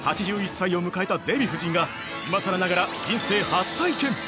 ８１歳を迎えたデヴィ夫人が今さらながら人生初体験！